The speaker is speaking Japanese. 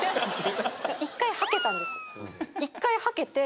一回はけたんです。